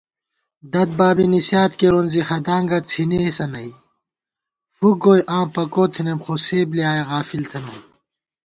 دَد بابے نِسِیات کېرون زِی ہدانگہ څھِنېسہ نئ * فُک گوئی آں پکو تھنَئیم خو سے بلیایَہ غافل تھنہ